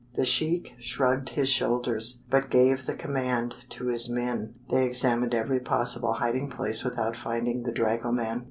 The sheik shrugged his shoulders, but gave the command to his men. They examined every possible hiding place without finding the dragoman.